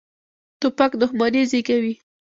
توپک دښمني زېږوي.